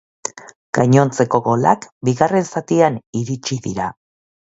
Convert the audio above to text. Gainontzeko golak bigarren zatian iritsi dira.